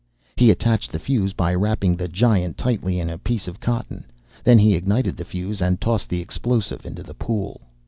He attached the fuse by wrapping the "giant" tightly in a piece of cotton. Then he ignited the fuse and tossed the explosive into the pool.